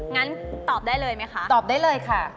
งั้นตอบได้เลยไหมคะตอบได้เลยค่ะ